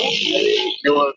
di kota peking sorong